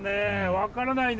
分からないね